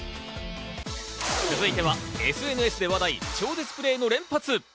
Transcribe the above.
続いてはＳＮＳで話題、超絶プレーの連発。